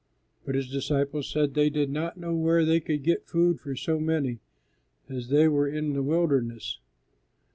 But His disciples said they did not know where they could get food for so many, as they were in the wilderness.